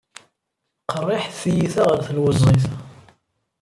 Qeṛṛiḥet tiyita ɣeṛ telweẓẓit.